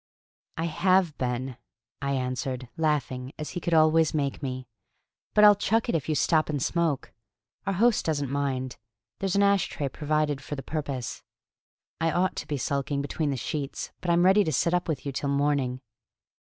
"I have been," I answered, laughing as he could always make me, "but I'll chuck it if you'll stop and smoke. Our host doesn't mind; there's an ash tray provided for the purpose. I ought to be sulking between the sheets, but I'm ready to sit up with you till morning."